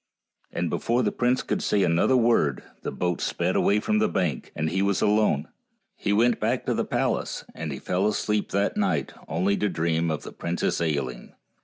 And before the prince could say another word the boat sped away from the bank, and he w r as alone. He went back to the palace, and he fell asleep that night only to dream of the Princess Ailinn.